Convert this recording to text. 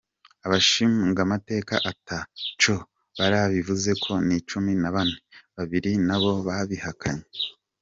Abashingamateka ata co barivuzeko ni cumi na bane, babiri na bo babihakanye.